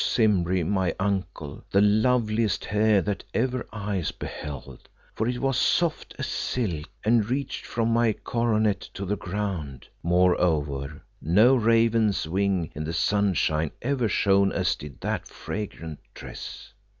Simbri, my uncle, the loveliest hair that ever eyes beheld, for it was soft as silk, and reached from my coronet to the ground. Moreover, no raven's wing in the sunshine ever shone as did that fragrant tress.